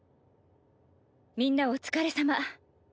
みんなお疲れさま。